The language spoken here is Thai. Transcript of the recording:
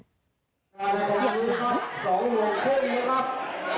เหยียบหลัง